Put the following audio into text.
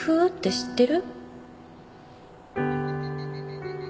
知ってる。